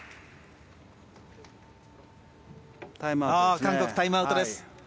韓国タイムアウトです。